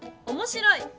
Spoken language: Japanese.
「おもしろい」。